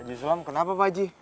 aji sulam kenapa pak aji